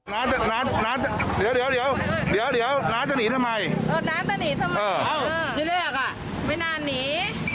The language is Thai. ไม่จะเข้าใจไม่เข้าใจทำไมต้องหนีอ่ะ